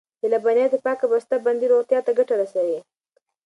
د لبنیاتو پاکه بسته بندي روغتیا ته ګټه رسوي.